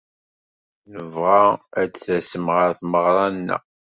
Nebɣa ad d-tasem ɣer tmeɣra-nneɣ.